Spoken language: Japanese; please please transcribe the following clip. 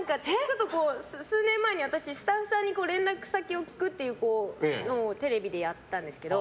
数年前に、私スタッフさんに連絡先を聞くってのをテレビでやったんですけど。